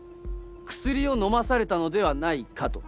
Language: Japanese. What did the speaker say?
薬を飲まされたのではないかと。